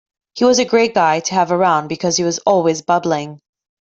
He was a great guy to have around because he was always bubbling.